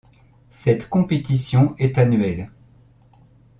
Cette compétition est annuelle.